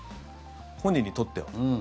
本人にとっては。